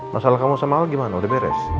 masalah kamu sama allah gimana udah beres